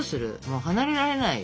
もう離れられない。